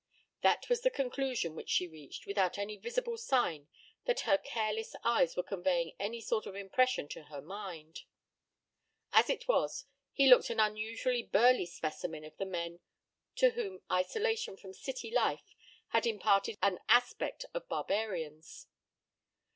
That was the conclusion which she reached without any visible sign that her careless eyes were conveying any sort of impression to her mind. As it was, he looked an unusually burly specimen of the men to whom isolation from city life had imparted an aspect of barbarians.